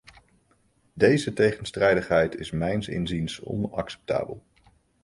Deze tegenstrijdigheid is mijns inziens onacceptabel.